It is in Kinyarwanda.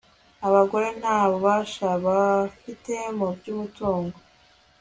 abagore nta bubasha bafite mu by'umutungo